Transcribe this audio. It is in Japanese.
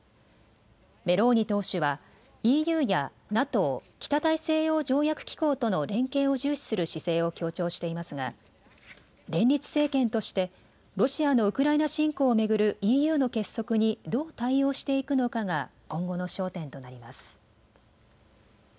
メローニ党首はＥＵやＮＡＴＯ・北大西洋条約機構との連携を重視する姿勢を強調していますが連立政権としてロシアのウクライナ侵攻を巡るＥＵの結束にどう対応していくのかが今後の焦点となります。